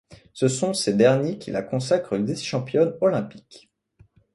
Ce sont ces derniers qui la consacre vice-championne olympique.